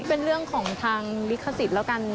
เป็นเรื่องของทางลิขสิทธิ์แล้วกัน